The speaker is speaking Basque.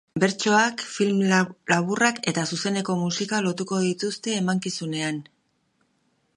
Bertsoak, film laburrak eta zuzeneko musika lotuko dituzte emankizunean.